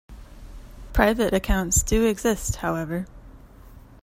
Private accounts do exist, however.